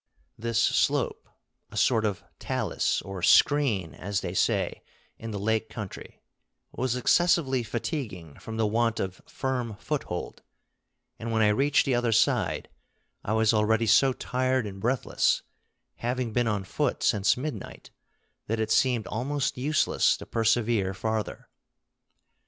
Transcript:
This slope, a sort of talus or "screen" as they say in the Lake country, was excessively fatiguing from the want of firm foothold; and when I reached the other side, I was already so tired and breathless, having been on foot since midnight, that it seemed almost useless to persevere farther.